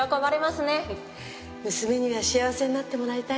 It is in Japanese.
娘には幸せになってもらいたいの。